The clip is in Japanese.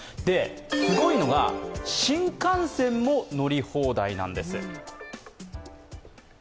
すごいのが、新幹線も乗り放題なんです。